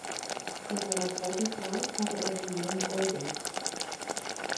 Mit seiner zweiten Frau hatte er den Sohn Eugen.